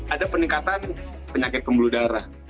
ada peningkatan penyakit pembuluh darah